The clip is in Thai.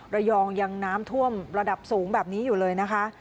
ระยองยังน้ำท่วมระดับสูงแบบนี้อยู่เลยนะคะ